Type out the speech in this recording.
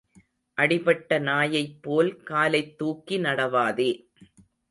அடிபட்ட நாயைப் போல் காலைத் தூக்கி நடவாதே.